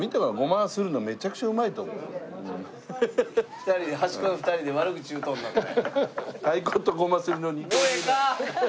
２人で端っこの２人で悪口言うとんなこれ。